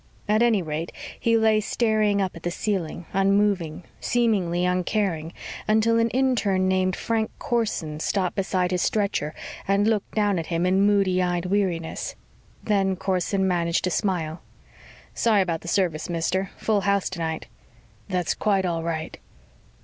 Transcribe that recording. At any rate, he lay staring up at the ceiling, unmoving, seemingly uncaring, until an intern named Frank Corson stopped beside his stretcher and looked down at him in moody eyed weariness. Then Corson managed a smile. "Sorry about the service, mister. Full house tonight." "That's quite all right."